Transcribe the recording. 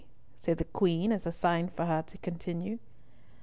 said the Queen, as a sign to her to continue.